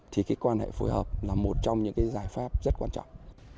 thì cái quan hệ phối hợp là một trong những cái giải pháp rất quan trọng